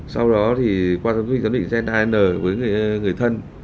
sau đó thì qua giám định với người thân